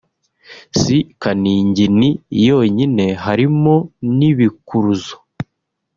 si kaningini yonyine harimo n’ibikuruzo